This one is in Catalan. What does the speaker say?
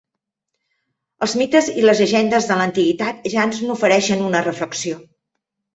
Els mites i les llegendes de l'antiguitat ja ens n'ofereixen una reflexió.